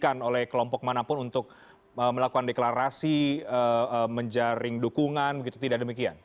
tidak terkait dengan kelompok manapun untuk melakukan deklarasi menjaring dukungan tidak demikian